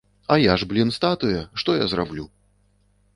А я ж, блін, статуя, што я зраблю?